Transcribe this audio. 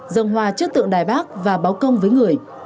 dân hòa trước tượng đài bắc và báo công với người